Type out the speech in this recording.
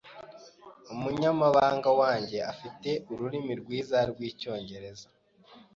Umunyamabanga wanjye afite ururimi rwiza rwicyongereza.